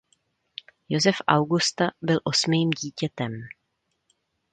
Josef Augusta byl osmým dítětem.